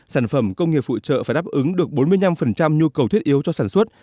sản phẩm công nghiệp phụ trợ phải đáp ứng được bốn mươi năm nhu cầu thiết yếu cho sản xuất